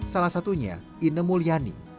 salah satunya ine mulyani